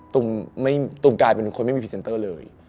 ตูมกลายเป็นคนไม่มีพรีเซนเตอร์เลย